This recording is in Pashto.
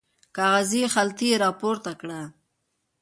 کاغذي خلطه یې راپورته کړه.